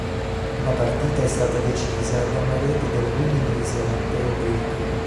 La partita è stata decisa da una rete del riminese Matteo Brighi.